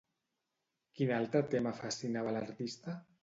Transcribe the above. Quin altre tema fascinava a l'artista?